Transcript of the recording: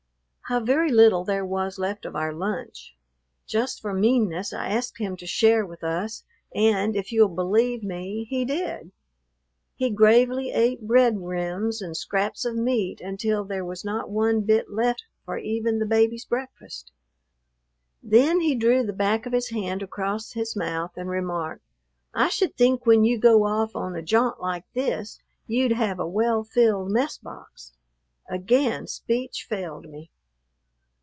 How very little there was left of our lunch! Just for meanness I asked him to share with us, and, if you'll believe me, he did. He gravely ate bread rims and scraps of meat until there was not one bit left for even the baby's breakfast. Then he drew the back of his hand across his mouth and remarked, "I should think when you go off on a ja'nt like this you'd have a well filled mess box." Again speech failed me.